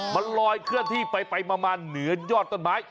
มันลอยเคลื่อนที่ไปมาเหนือยอดต้นไม้